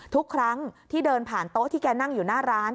ทุกครั้งที่เดินผ่านโต๊ะที่แกนั่งอยู่หน้าร้าน